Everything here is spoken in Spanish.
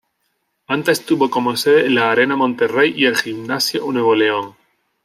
Antes tuvo como sede la Arena Monterrey y el Gimnasio Nuevo León.